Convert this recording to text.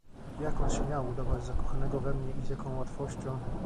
"Jak on śmiał udawać zakochanego we mnie i z jaką łatwością..."